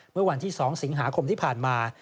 เมื่อวันที่๒สิงหาคมที่ผ่านมา